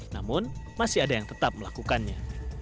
namun masih ada yang tetap melakukannya